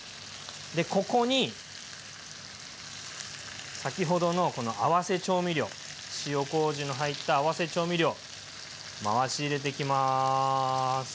でここに先ほどの合わせ調味料塩こうじの入った合わせ調味料回し入れていきます。